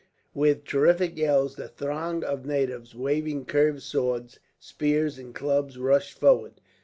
With terrific yells the throng of natives, waving curved swords, spears, and clubs, rushed forward.